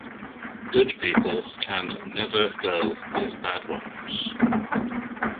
Good people can never go with bad ones.